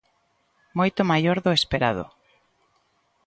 Moito maior do esperado.